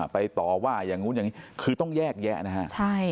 ต่อว่าอย่างนู้นอย่างนี้คือต้องแยกแยะนะฮะ